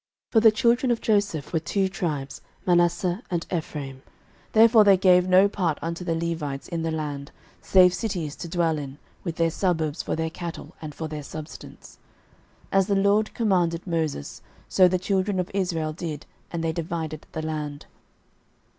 06:014:004 For the children of Joseph were two tribes, Manasseh and Ephraim: therefore they gave no part unto the Levites in the land, save cities to dwell in, with their suburbs for their cattle and for their substance. 06:014:005 As the LORD commanded Moses, so the children of Israel did, and they divided the land.